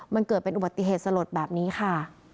มันเกิดเป็นอุบัติเหตุสลดแบบนี้ค่ะ